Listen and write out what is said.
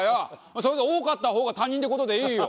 それで多かった方が担任って事でいいよ。